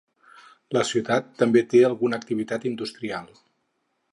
La ciutat també té alguna activitat industrial.